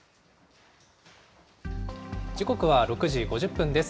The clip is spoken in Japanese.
時刻は６時５０分です。